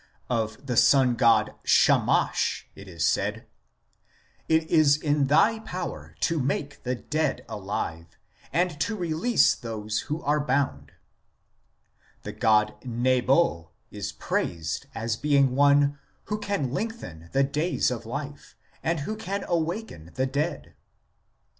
Of the sun god Shamash it is said :" It is in thy power to make the dead alive, and to release those who are bound "; the god Nebo is praised as being one " who can lengthen the days of life, and who can awaken the dead."